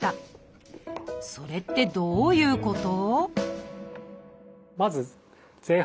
それってどういうこと？